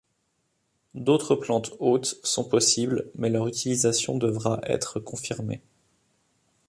D'autres plantes hôtes sont possibles mais leur utilisation devra être confirmée.